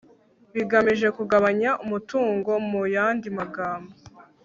bigamije kugabanya umutungo mu yandi magambo